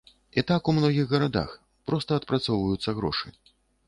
І так у многіх гарадах, проста адпрацоўваюцца грошы.